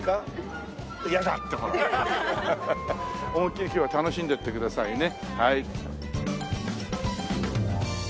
思いっ切り今日は楽しんでいってくださいね。